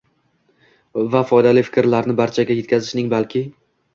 va foydali fikrlarni barchaga yetkazishning, balki